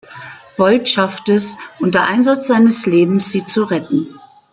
Bolt schafft es unter Einsatz seines Lebens, sie zu retten.